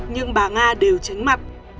nhưng bà nga đều tránh mặt